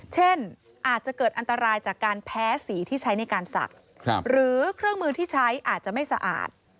เช่นอาจจะเกิดอันตรายจากการแพ้สีที่ใช้ในการศักดิ์หรือเครื่องมือที่ใช้อาจจะไม่สะอาด